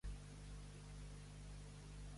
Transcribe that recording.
L'Estat islàmic rebutja la separació, ha dit Bramon.